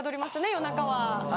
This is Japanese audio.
夜中は。